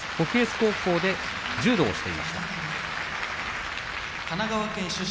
高校で柔道をしていました。